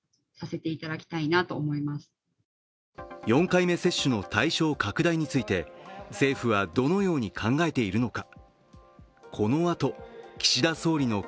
４回目接種の対象拡大について、政府はどのように考えているのか。